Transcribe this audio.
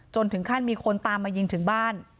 ถึงขั้นมีคนตามมายิงถึงบ้าน